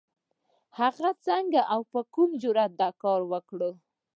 هغې څنګه او په کوم جرئت دا کار وکړ؟